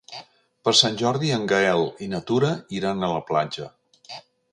Per Sant Jordi en Gaël i na Tura iran a la platja.